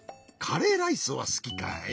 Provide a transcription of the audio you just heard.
カレーライスはすきかい？